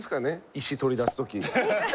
石取り出す時。